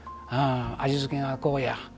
味付けが、こうや。